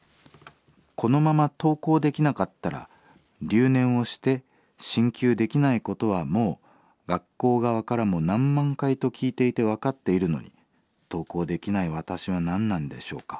このまま登校できなかったら留年をして進級できないことはもう学校側からも何万回と聞いていて分かっているのに登校できない私は何なんでしょうか。